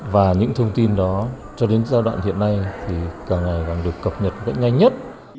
và những thông tin đó cho đến giai đoạn hiện nay thì càng ngày càng được cập nhật rất nhanh nhất